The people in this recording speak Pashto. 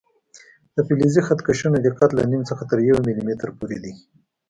د فلزي خط کشونو دقت له نیم څخه تر یو ملي متره پورې دی.